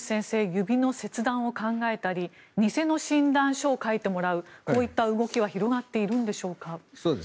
指の切断を考えたり偽の診断書を書いてもらうこういった動きは広がっているんでしょうか。